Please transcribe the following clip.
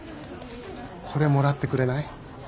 これもらってくれない？